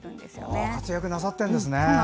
ご活躍なさってるんですね。